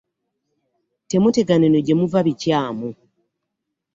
Temutegana eno jemuva bikyamu .